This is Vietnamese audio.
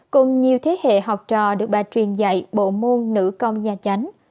cùng nhiều thế hệ học trò được bà truyền dạy bộ môn nữ con gia chánh